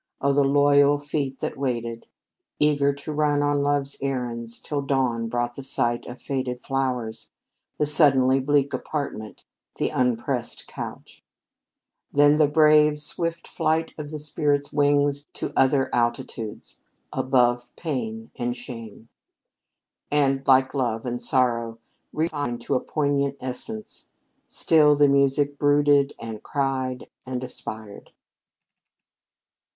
Oh, the loyal feet that waited eager to run on love's errands till dawn brought the sight of faded flowers, the suddenly bleak apartment, the unpressed couch! Then the brave, swift flight of the spirit's wings to other altitudes, above pain and shame! And like love and sorrow, refined to a poignant essence, still the music brooded and cried and aspired.